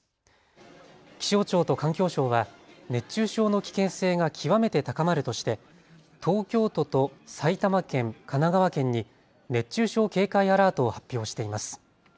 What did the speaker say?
気象庁と環境省は熱中症の危険性が極めて高まるとして東京都と埼玉県、神奈川県に熱中症警戒アラートを発表しています。